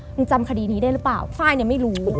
จำคดีนี้ได้หรือเปล่าไฟล์เนี่ยไม่รู้